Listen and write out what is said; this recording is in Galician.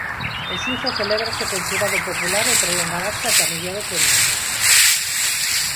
O xuízo celébrase con xurado popular e prolongarase ata mediados de maio.